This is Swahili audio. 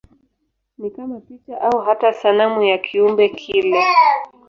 Ni kama picha au hata sanamu ya kiumbe kile.